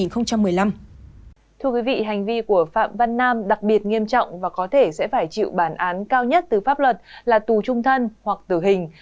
thưa quý vị hành vi của phạm văn nam đặc biệt nghiêm trọng và có thể sẽ phải chịu bản án cao nhất từ pháp luật là tù trung thân hoặc tử hình